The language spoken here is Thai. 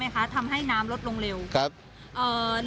ใช่ไหมคะทำให้น้ำลดลงเร็ว